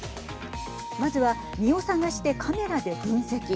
まずは実を探してカメラで分析。